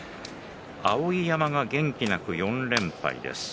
碧山が元気なく４連敗です。